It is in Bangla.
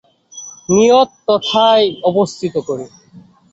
নিয়ত তথায় অবস্থিত করি।